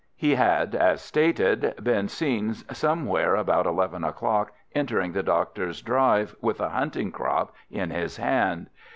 He had, as stated, been seen somewhere about eleven o'clock entering the doctor's drive with a hunting crop in his hand.